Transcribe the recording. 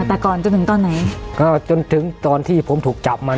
แต่ก่อนจนถึงตอนไหนก็จนถึงตอนที่ผมถูกจับมา